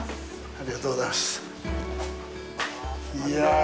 ありがとうございます。